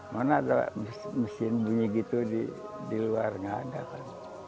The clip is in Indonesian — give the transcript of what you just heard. mana ada mesin bunyi gitu di luar nggak ada kan